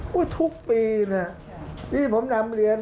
ภาคอีสานแห้งแรง